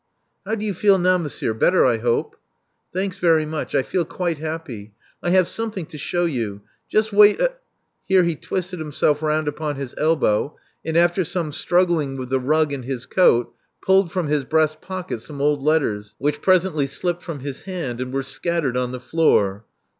How do you feel now, monsieur? Better, I hope." Thanks very much: I feel quite happy. I have something to shew you. Just wait a " Here he twisted himself round upon his elbow, and after some struggling with the rug and his coat, pulled from his breast pocket some old letters, which presently slipped from his hand and were scattered on the floor.